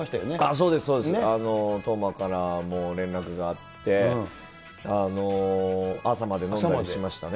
そうです、そうです、斗真からも連絡があって、朝まで飲んだりしましたね。